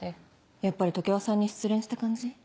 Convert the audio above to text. やっぱり常葉さんに失恋した感じ？